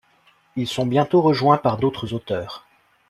Ils sont bientôt rejoints par d'autres auteurs.